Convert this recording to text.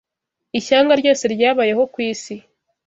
Ishyanga ryose ryabayeho ku isi